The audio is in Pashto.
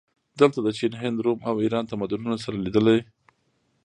دلته د چین، هند، روم او ایران تمدنونه سره لیدلي